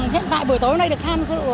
hiện tại buổi tối nay được tham dự